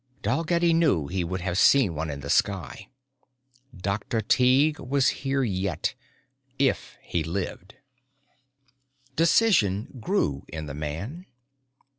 Dalgetty knew he would have seen one in the sky. Dr. Tighe was here yet if he lived. Decision grew in the man.